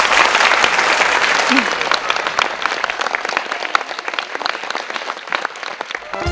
จะใช้หรือไม่ใช้ครับ